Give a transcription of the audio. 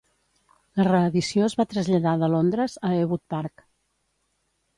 La reedició es va traslladar de Londres a Ewood Park.